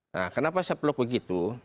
nah kenapa saya peluk begitu